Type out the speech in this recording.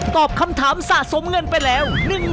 ตอบคำถามสะสมเงินไปแล้ว